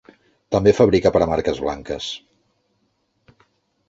També fabrica per a marques blanques.